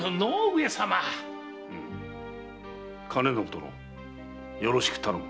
兼延殿よろしく頼む。